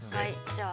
◆じゃあ。